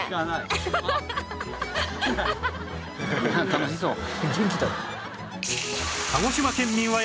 楽しそう。